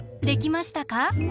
できましたか？